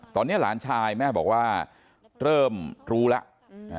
ตอนนี้หลานชายแม่บอกว่าเริ่มรู้แล้ว